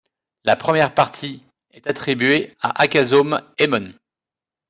La première partie est attribuée à Akazome Emon.